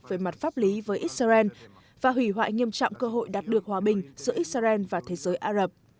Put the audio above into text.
về mặt pháp lý với israel và hủy hoại nghiêm trọng cơ hội đạt được hòa bình giữa israel và thế giới ả rập